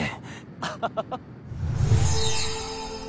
ハハハ！